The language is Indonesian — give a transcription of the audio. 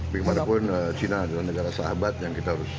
bagaimanapun china adalah negara sahabat yang kita harus